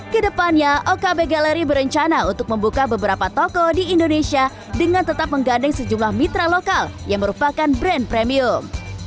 kedepannya okb gallery berencana untuk membuka beberapa toko di indonesia dengan tetap menggandeng sejumlah mitra lokal yang merupakan brand premium